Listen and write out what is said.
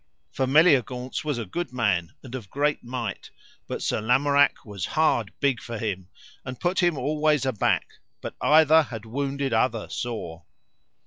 For Meliagaunce was a good man and of great might, but Sir Lamorak was hard big for him, and put him always aback, but either had wounded other sore.